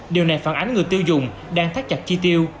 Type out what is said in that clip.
điều này phản ánh người tiêu dùng đang thắt chặt chi tiêu